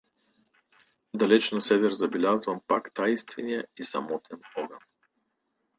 Далеч на север забелязвам пак тайнствения и самотен огън.